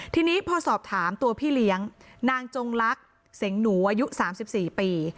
ทีนี้พอสอบถามตัวพี่เลี้ยงนางจงลักษณ์เสียงหนูอายุ๓๔ปี